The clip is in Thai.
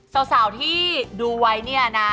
สาวที่ดูไว้เนี่ยนะ